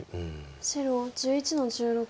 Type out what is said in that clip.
白１１の十六。